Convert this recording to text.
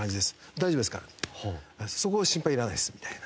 「大丈夫ですから。そこは心配いらないです」みたいな。